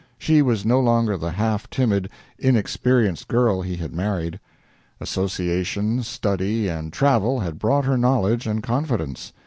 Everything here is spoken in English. She was no longer the half timid, inexperienced girl he had married. Association, study, and travel had brought her knowledge and confidence.